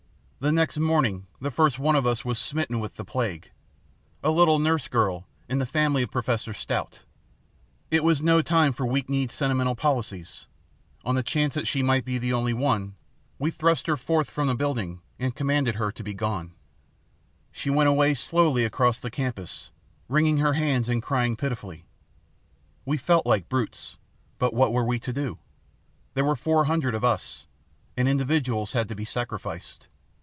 The next morning the first one of us was smitten with the plague a little nurse girl in the family of Professor Stout. It was no time for weak kneed, sentimental policies. On the chance that she might be the only one, we thrust her forth from the building and commanded her to be gone. [Illustration: We thrust her forth from the building 121] "She went away slowly across the campus, wringing her hands and crying pitifully. We felt like brutes, but what were we to do? There were four hundred of us, and individuals had to be sacrificed.